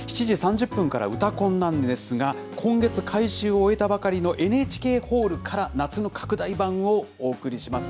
７時３０分からうたコンなんですが、今月改修を終えたばかりのＮＨＫホールから、夏の拡大版をお送りします。